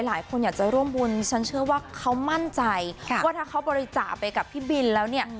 หลายคนอยากจะร่วมบุญฉันเชื่อว่าเขามั่นใจว่าถ้าเขาบริจาคไปกับพี่บินแล้วเนี่ย